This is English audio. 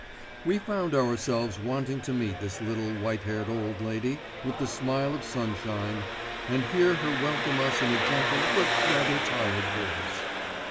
We found ourselves wanting to meet this little white haired old lady with the smile of sunshine, and hear her welcome us in a gentle, but rather tired voice.